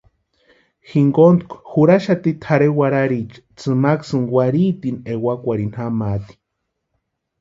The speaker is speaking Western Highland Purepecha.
Jinkontu jurhaxati tʼarhe warhariecha tsʼïmaksïni warhitini ewakwarhini jamaati.